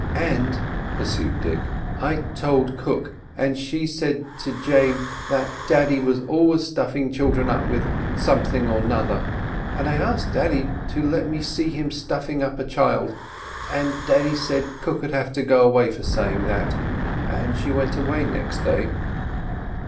"And," pursued Dick, "I told cook, and she said to Jane, daddy was always stuffing children up with—something or 'nother. And I asked daddy to let me see him stuffing up a child—and daddy said cook'd have to go away for saying that, and she went away next day."